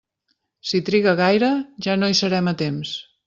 Si triga gaire ja no hi serem a temps.